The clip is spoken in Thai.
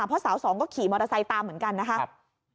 เพราะสาวสองก็ขี่มอเตอร์ไซค์ตามเหมือนกันนะครับ